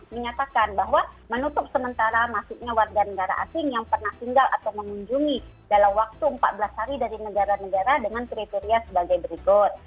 menyatakan bahwa menutup sementara masuknya warga negara asing yang pernah tinggal atau mengunjungi dalam waktu empat belas hari dari negara negara dengan kriteria sebagai berikut